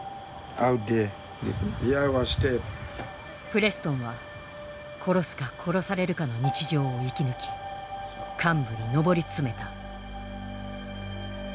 プレストンは殺すか殺されるかの日常を生き抜き幹部に上り詰めた。